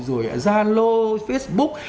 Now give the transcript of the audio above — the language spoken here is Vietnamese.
rồi giao lô facebook